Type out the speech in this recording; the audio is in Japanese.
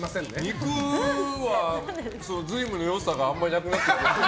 肉は、瑞夢の良さがあんまりなくなってる。